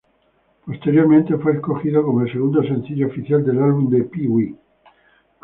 Posteriormente fue escogido como el segundo sencillo oficial del álbum de Pee Wee.